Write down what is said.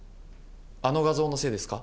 あの画像のせいですか？